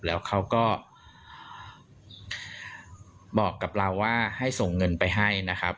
แล้วเขาก็บอกกับเราว่าให้ส่งเงินไปให้นะครับ